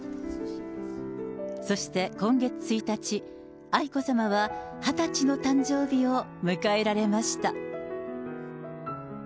そして今月１日、愛子さまは２０歳の誕生日を迎えられました。